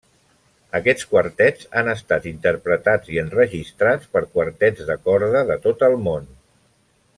Aquests quartets han estat interpretats i enregistrats per quartets de corda de tot el món.